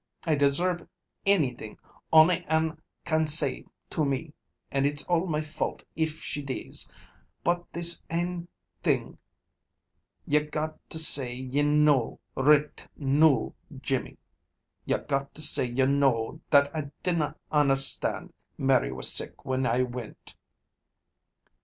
"I deserve anything ony ane can say to me, and it's all my fault if she dees, but this ane thing ye got to say ye know richt noo, Jimmy. Ye got to say ye know that I dinna understand Mary was sick when I went."